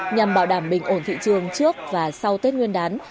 nhằm bảo đảm bình ổn thị trường trước và sau tết nguyên đán